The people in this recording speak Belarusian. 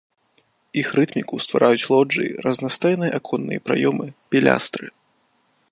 Іх рытміку ствараюць лоджыі, разнастайныя аконныя праёмы, пілястры.